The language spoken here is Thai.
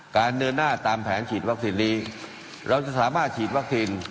เดินหน้าตามแผนฉีดวัคซีนนี้เราจะสามารถฉีดวัคซีน